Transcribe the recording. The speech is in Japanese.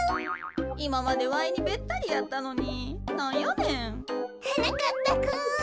いままでわいにべったりやったのになんやねん。はなかっぱくん。